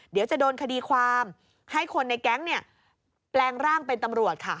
เดี๋ยวจะโดนคดีความให้คนในแก๊งเนี่ยแปลงร่างเป็นตำรวจค่ะ